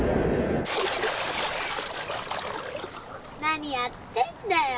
何やってんだよ。